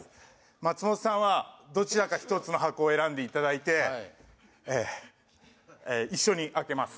松本さんはどちらか１つの箱を選んでいただいてえ一緒に開けます